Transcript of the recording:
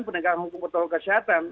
pendekatan hukum pertolongan kesehatan